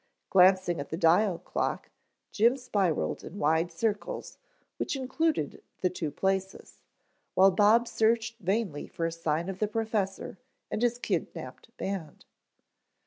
Glancing at the dial clock, Jim spiraled in wide circles which included the two places, while Bob searched vainly for a sign of the professor and his kidnapped band.